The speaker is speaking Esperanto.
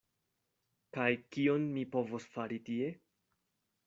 Kaj kion mi povos fari tie?